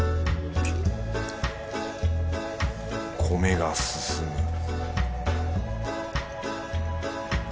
米が進む